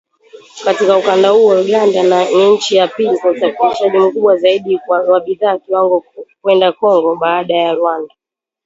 Katika ukanda huo, Uganda ni nchi ya pili kwa usafirishaji mkubwa zaidi wa bidhaa kwenda Kongo, baada ya Rwanda.